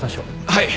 はい！